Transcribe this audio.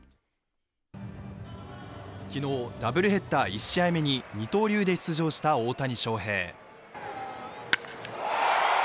昨日、ダブルヘッダー１試合目に二刀流で出場した大谷翔平。